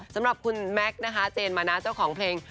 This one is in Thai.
สำหรับคุณแม็กซ์นะคะเจนมานะเจ้าของเพลง